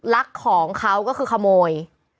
ลักของเขาก็คือขโมย